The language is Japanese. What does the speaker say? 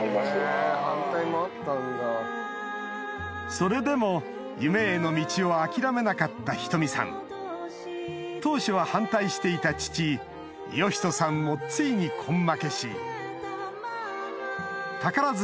それでも夢への道を諦めなかった瞳さん当初は反対していた父義仁さんもついに根負けし宝塚